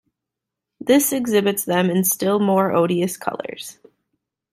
This exhibits them in still more odious colors.